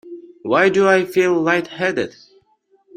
Why do I feel light-headed?